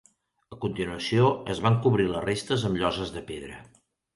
A continuació, es van cobrir les restes amb lloses de pedra.